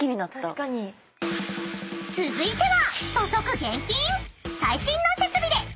［続いては］